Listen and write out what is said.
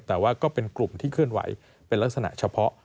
แต่ว่าก็เป็นกลุ่มที่เคลื่อนไหวเป็นลักษณะเฉพาะ